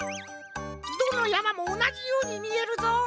どのやまもおなじようにみえるぞ。